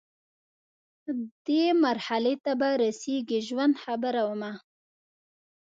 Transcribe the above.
دې مرحلې ته به رسیږي ژوند، خبره ومه